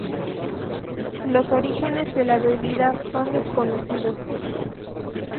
Los orígenes de la bebida son desconocidos.